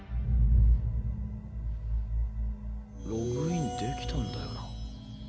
ログインできたんだよな？